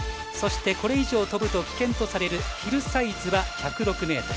そしてこれ以上飛ぶと危険とされるヒルサイズは１０６ｍ。